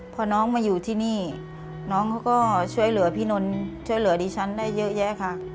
พอน้องมาอยู่ที่นี่น้องเขาก็ช่วยเหลือพี่นนท์ช่วยเหลือดิฉันได้เยอะแยะค่ะ